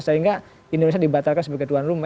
sehingga indonesia dibatalkan sebagai tuan rumah